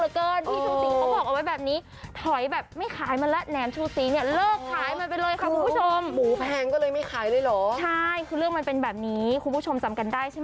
ใต้แบรนด์ที่มีชื่อว่าแหน่มชูสี